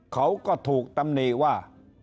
เขาก็ถูกตำหนิว่า